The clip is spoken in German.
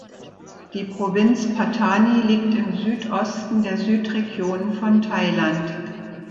Die Provinz Pattani liegt im Südosten der Südregion von Thailand.